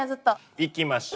いきましょ